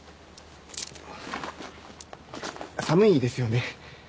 寒いですよね。